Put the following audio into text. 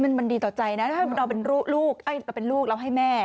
มันดีต่อใจนะถ้าเราเป็นลูกเราให้แม่